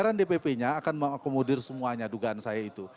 tapi dbp nya akan mengakomodir semuanya dugaan saya itu